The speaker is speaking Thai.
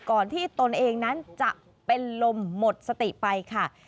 ก่อนที่ตนเองนั้นจะเป็นลมหมดสติไปค่ะ